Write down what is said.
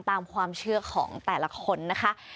ตามความเชื่อของแต่ละคนนะคะ